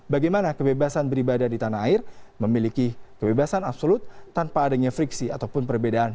bagaimana kebebasan beribadah di tanah air memiliki kebebasan absolut tanpa adanya friksi ataupun perbedaan